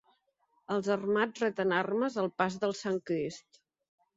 Els armats reten armes al pas del Sant Crist.